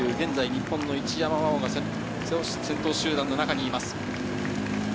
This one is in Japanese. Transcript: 一山麻緒が現在、先頭集団の中にいます。